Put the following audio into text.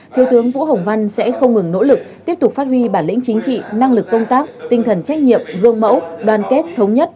thiếu tướng vũ hồng văn sẽ không ngừng nỗ lực tiếp tục phát huy bản lĩnh chính trị năng lực công tác tinh thần trách nhiệm gương mẫu đoàn kết thống nhất